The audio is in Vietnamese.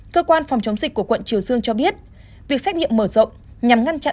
cơ quan phòng chống dịch của quận triều dương cho biết việc xét nghiệm mở rộng nhằm ngăn chặn